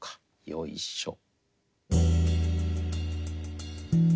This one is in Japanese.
よいしょ。